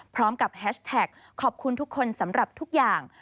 พร้อมกับแฮชแท็กขอบคุณทุกคนสำหรับทุกอย่าง